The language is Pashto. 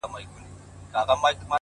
پربت باندي يې سر واچوه،